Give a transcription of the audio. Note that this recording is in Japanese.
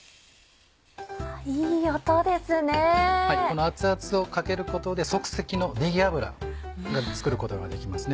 この熱々をかけることで即席のねぎ油を作ることができます。